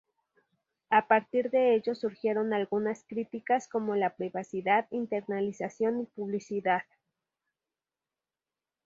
A partir de ello surgieron algunas críticas como la privacidad, internalización y publicidad.